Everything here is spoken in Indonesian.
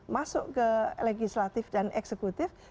masuk ke legislatif dan eksekutif